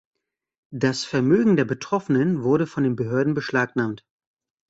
Das Vermögen der Betroffenen wurde von den Behörden beschlagnahmt.